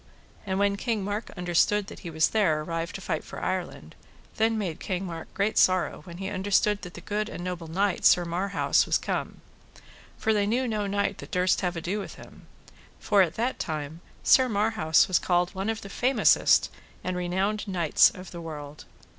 And when King Mark understood that he was there arrived to fight for Ireland, then made King Mark great sorrow when he understood that the good and noble knight Sir Marhaus was come. For they knew no knight that durst have ado with him. For at that time Sir Marhaus was called one of the famousest and renowned knights of the world.